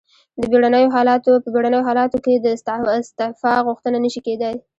په بیړنیو حالاتو کې د استعفا غوښتنه نشي کیدای.